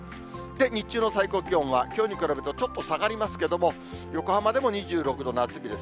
で、日中の最高気温は、きょうに比べるとちょっと下がりますけども、横浜でも２６度、夏日です。